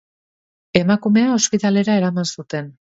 Emakumea ospitalera eraman zuten.